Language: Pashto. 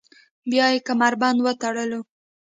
بیا یې کمربند وتړلو.